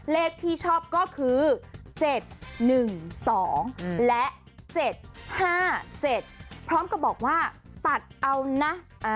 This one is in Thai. เลขที่ชอบก็คือ๗๑๒และ๗๕๗พร้อมกับบอกว่าตัดเอานะ